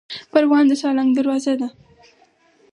پروان د سالنګ دروازه ده